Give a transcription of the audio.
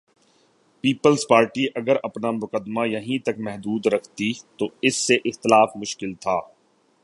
Peoples Party اگر اپنا مقدمہ یہیں تک محدود رکھتی تو اس سے اختلاف مشکل تھا۔